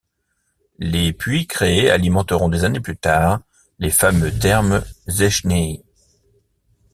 Les puits créés alimenteront des années plus tard les fameux thermes Széchenyi.